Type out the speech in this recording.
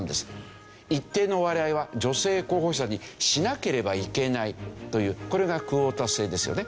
一定の割合は女性候補者にしなければいけないというこれがクオータ制ですよね。